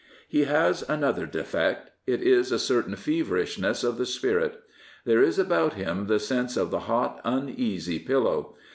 He has another defect. It is a certain feverishness of the spirit. There is about him the sense of the hot, uneasy pillow.